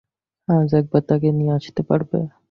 আজ একবার তাঁকে নিয়ে আসতে পারবে?